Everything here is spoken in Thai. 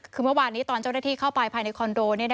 คือเมื่อวานนี้ตอนเจ้าหน้าที่เข้าไปภายในคอนโด